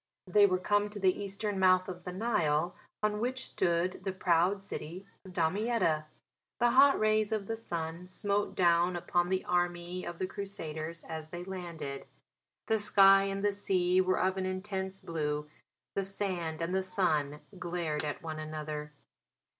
They were come to the eastern mouth of the Nile, on which stood the proud city of Damietta. The hot rays of the sun smote down upon the army of the Crusaders as they landed. The sky and the sea were of an intense blue; the sand and the sun glared at one another.